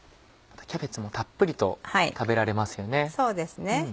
またキャベツもたっぷりと食べられますよね。